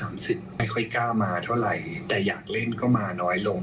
ไม่ค่อยกล้ามาเท่าไหร่แต่อยากเล่นก็มาน้อยลง